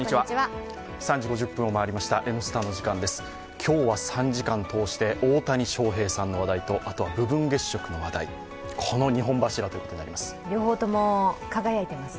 今日は３時間通して、大谷翔平さんの話題とあとは部分月食の話題、この２本柱となります。